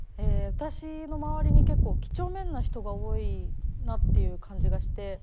私の周りに結構几帳面な人が多いなっていう感じがして。